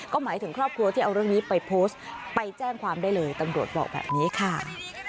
ก็หมายถึงครอบครัวที่เอาเรื่องนี้ไปโพสต์ไปแจ้งความได้เลยตำรวจบอกแบบนี้ค่ะ